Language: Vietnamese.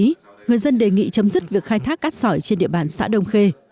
tại buổi đối thoại người dân đề nghị chấm dứt việc khai thác cát sỏi trên địa bàn xã đông khê